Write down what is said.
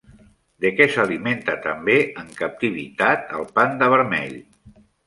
De què s'alimenta també en captivitat el panda vermell?